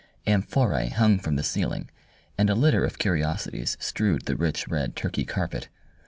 Amphorae hung from the ceiling, and a litter of curiosities strewed the rich red Turkey carpet.